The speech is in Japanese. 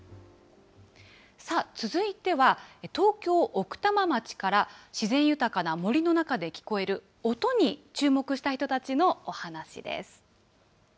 続いては、東京・奥多摩町から、自然豊かな森の中で聞こえる音に注目した人たちのお話です。